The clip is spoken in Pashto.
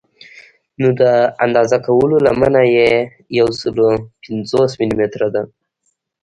نو د اندازه کولو لمنه یې یو سل او پنځوس ملي متره ده.